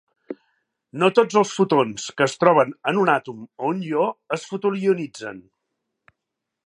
No tots els fotons que es troben amb un àtom o un ió el fotoionitzen.